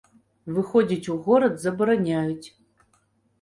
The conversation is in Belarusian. Выходзіць у горад забараняюць.